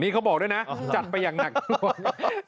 นี่เขาบอกด้วยนะจัดประหยักหนักหน่วง